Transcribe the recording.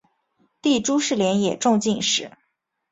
弟朱士廉也中进士。